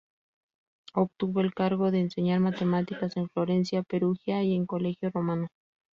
Obtuvo el cargo de enseñar matemáticas en Florencia, Perugia y en un Colegio Romano.